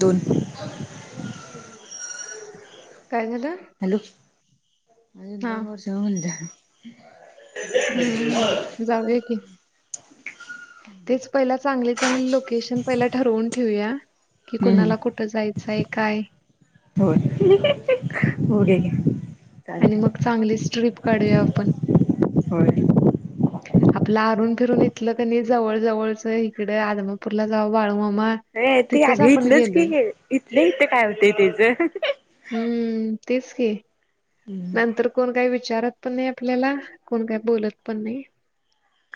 दोन काहिजत अज एंदो वषल ह हम्म. जाऊया की. [inaudible] तेच पहि चांगली चांगली लोकेशन पहिला ठरवून ठेवया हम्म हम् हो हो आणि मग चांगलीच स्ट्रीप काढूया आपण हो आपलं आरून फिरून इथलं कनी जवळ जवळच इकडे आदमापूरला जाव बाळूमा अर ते आग इथलंच की इथलं इथ काय होतंय त्याच हम्म. तेच क हम्म. नंतर कोण काही विचारत पण नाही आपल्याला कोण काय बोलत पण नाही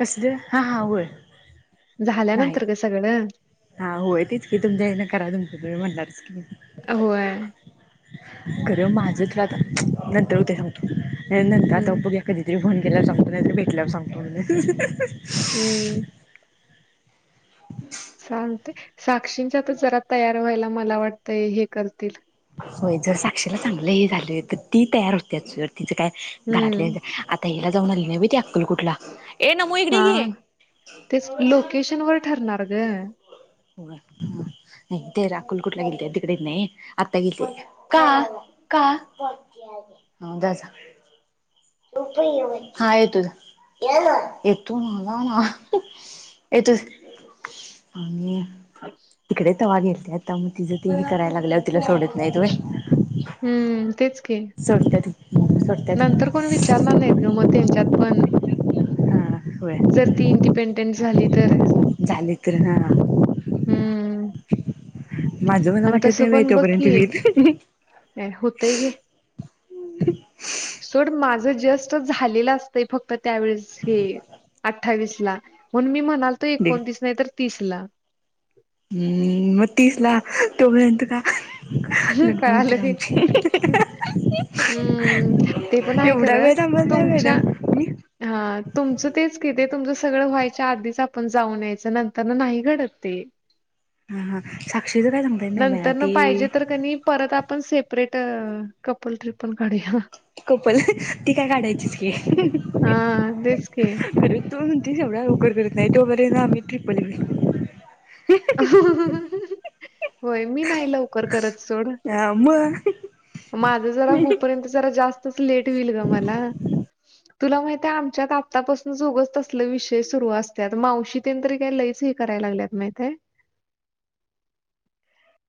कस हा हा होय नाही झाल्यानंतर ग सगळं हा होय त तेच की तुमच्याना करा तुम तुम्ही म्हणणारच की अ आहे खरं माझं नंतर ते ठतो नंत हम्म. आताप्याा कतित र ल्याला सांगो त भेटल्याला सांगतो हम्म. ते साक्षींच्या तर जरा तयार व्हायला मला वाटतंय हे करतील होय जर साक्षीला चांगलं हे झालं तर ती तयार होते तिचं काय हम्म घरातल्या आता याला जाऊन ल नाही भी त्या्या कुलकुठला हा तेच लोकेशन व तरणारारग हो ते राकुल कुठला गेले तिकडे नाही आता गेली का का द हा येतो येतो नाला ना येतो आणि तकडे वा घेतली आता मग तिझं ते कराय लागल्यावर तिला सोडत नाही तु हम्म तेच की सडत नंतर कोण विचारणार नाहीत ग मग त्यांच्यात पण हा होय जर ती इंडिपेंडेंट झाली तेरे झाले तर ना हम्म माझं मला आणि वाटत तसं नाही व पण बघ तोपर्यंत टी की व्हीत होतय घे ह् सोड माझ जस्ट झालेलं असतंय फक्त त्यावेळेस हे अठ्ठावीस मी म लतो एकोणतीस नाही तर तिसला तोम्ही एंत का लग्न कळालं होती आमची हम्म ते पण आहे एवढा खरं वेळमला वेला तुमच्या म हां, तुमचं तेच की ते तुमचं सगळं व्हायच्या आधीच आपण जाऊन यायचं नंतर ना नाही घडत ते हा हा साक्षीच काय सांगताय नाही ब्या नंतरनं ती पाहिजे तर कणी परत आपण से परेट कपल ट्रिपल गाढडीला कपल ती काय काढायचीच घी हां, तेच की. अरे तू ते एवढा उवकरड करत नाही तो बरे ना आम्ही ट्रिपल होय मी नाही लवकर करत सोड मग माझ जरा होपर्यंत ज जास्त लेट होईल ग मला तुला माहिे आमच्यात आतापासून जोगच तसले विषय सुरू असतात मावशीन त का लयच हे करायला लागल्यात माहि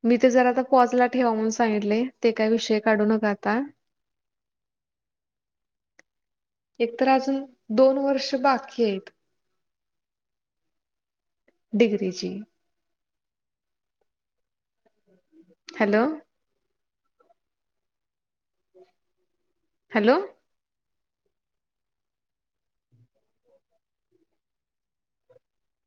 मी ते ज आता पॉजला ठेवाून सांगितले विषय काढू नकाता एक तर अजून दोन वर्ष बाकी आहेत डिग्रीची हॅलो हॅलो